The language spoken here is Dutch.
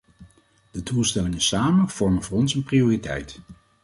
Die doelstellingen samen vormen voor ons een prioriteit.